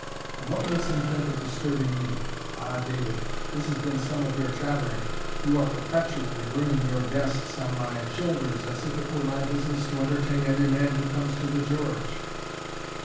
"And what makes him think of disturbing me? Ah, David, this has been some of your chattering; you are perpetually bringing your guests on my shoulders, as if it were my business to entertain every man who comes to the George."